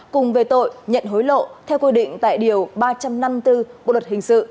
cùng về tội nhận hối lộ theo quy định tại điều ba trăm năm mươi bốn bộ luật hình sự